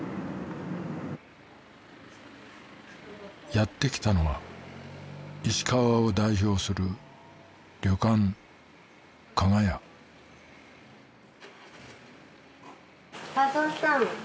やって来たのは石川を代表する旅館「加賀屋」一男さん